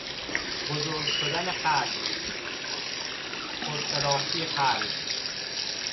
بزرگ شدن قلب، پرفراخی قلب